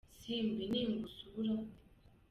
Simbi Ningusura